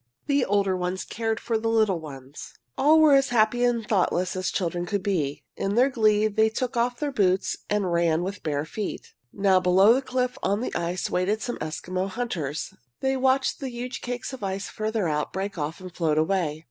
The older ones cared for the little ones. All were as happy and thoughtless as children could be. In their glee they took off their boots and ran with bare feet. Now below the cliff on the ice waited some Eskimo hunters. They watched the huge cakes of ice farther out break off and float away.